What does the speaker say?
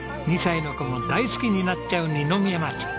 ２歳の子も大好きになっちゃう二宮町。